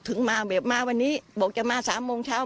ถึงมาแบบมาวันนี้บอกจะมา๓โมงเช้า